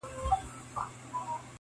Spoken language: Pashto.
• هر سړی یې تر نظر پک او پمن وي -